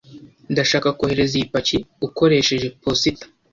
Ndashaka kohereza iyi paki ukoresheje posita.